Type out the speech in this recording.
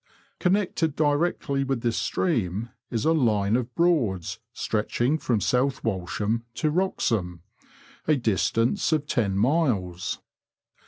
Connected directly with this stream is a line of Broads stretching from South Walsham to Wroxham — a distance of ten miles.